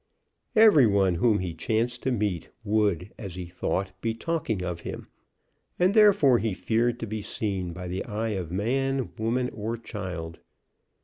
Every one whom he chanced to meet would, as he thought, be talking of him, and therefore he feared to be seen by the eye of man, woman, or child.